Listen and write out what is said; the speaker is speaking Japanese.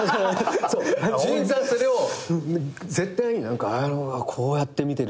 准一さんそれを絶対に「綾野がこうやって見てる」って。